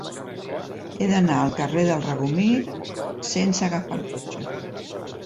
He d'anar al carrer del Regomir sense agafar el cotxe.